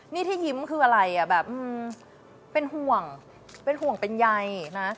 นี่ที่ยิ้มคืออะไรอ่ะแบบเป็นห่วงเป็นห่วงเป็นใยนะ